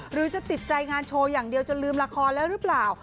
หรือจะติดใจงานโชว์อย่างเดียวจนลืมละครแล้วหรือเปล่า